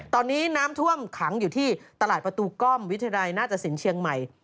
ตอนนี้น้ำท่วมขังอยู่ที่ตลาดประตูกล้อมวิทยาลัยหน้าตสินเชียงใหม่